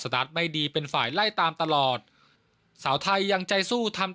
ตาร์ทไม่ดีเป็นฝ่ายไล่ตามตลอดสาวไทยยังใจสู้ทำ